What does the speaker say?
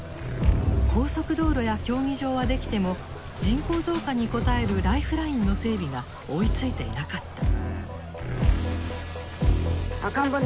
高速道路や競技場は出来ても人口増加に応えるライフラインの整備が追いついていなかった。